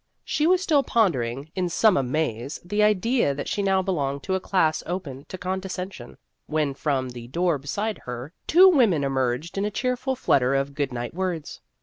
She was still pondering in some amaze the idea that she now belonged to a class open to condescension, when from the door beside her two women emerged in a cheerful flutter of good night words.